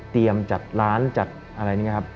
เตรียมจัดร้านจัดอะไรเนี่ยครับ